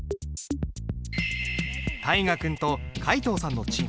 大河君と皆藤さんのチーム。